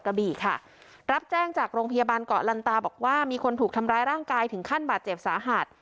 กระบี่ค่ะรับแจ้งจากโรงพยาบาลเกาะลันตาบอกว่ามีคนถูกทำร้ายร่างกายถึงขั้นบาดเจ็บสาหัส